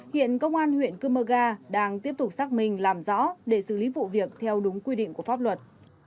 hiện công an huyện cơ mơ ga đang tiếp tục xác minh làm rõ để xử lý vụ việc theo đúng quy định của pháp luật